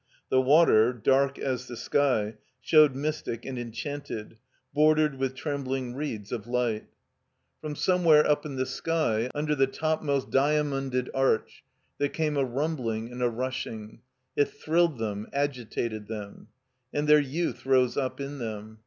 The water, dark as the sky, showed mystic and enchanted, bor dered with trembling reeds of light. 361 THE COMBINED MAZE Prom somewhere up in the sky, under the top most diamonded arch, there came a rumbling and a rushing — It thrilled them, agitated them. And their youth rose up in them.